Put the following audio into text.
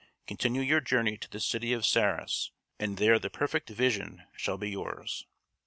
Continue your journey to the city of Sarras and there the perfect vision shall be yours."